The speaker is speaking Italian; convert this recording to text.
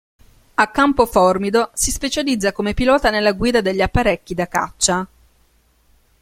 A Campoformido si specializza come pilota nella guida degli apparecchi da caccia.